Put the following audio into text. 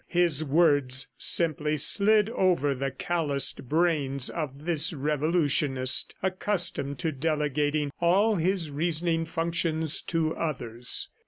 His words simply slid over the calloused brains of this revolutionist, accustomed to delegating all his reasoning functions to others.